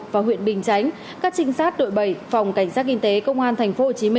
và huyện bình chánh các trinh sát đội bảy phòng cảnh sát kinh tế công an tp hcm